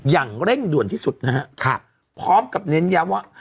อย่างเร่งด่วนที่สุดนะครับพร้อมกับเน้นย้ำว่า